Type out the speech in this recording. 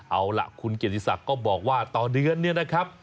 เอาล่ะคุณเกียรติศักดิ์ก็บอกว่าต่อเดือนเนี่ยนะครับ